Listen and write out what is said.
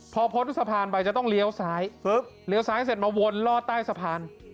พอพ้นสะพานไปจะต้องเลี้ยวซ้ายเลี้ยวซ้ายเสร็จมาวนลอดใต้สะพาน